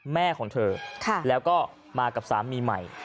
แม่ของเธอแล้วก็มากับสามีใหม่